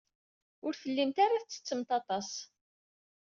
Ur tellimt ara tettettemt aṭas.